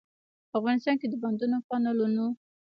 افغانستان کې د بندونو، کانالونو.